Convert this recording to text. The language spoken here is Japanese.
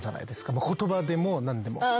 言葉でも何でも。